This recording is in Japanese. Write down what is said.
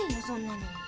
そんなの。